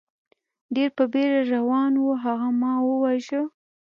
ډېر په بېړه روان و، هغه ما و واژه.